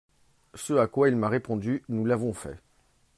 Ce à quoi il m’a répondu, nous l’avons fait.